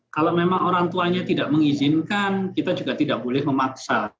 kalau memang orang tuanya tidak mengizinkan kita juga tidak boleh memaksa